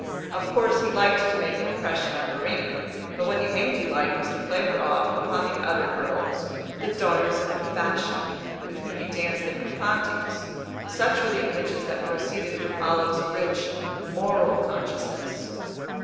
Of course he liked to make an impression on Verena; but what he mainly liked was to play her off upon the other girls, the daughters of fashion, with whom he danced at Papanti's. Such were the images that proceeded from Olive's rich moral consciousness.